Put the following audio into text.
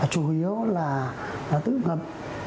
chủ yếu là tứ ngập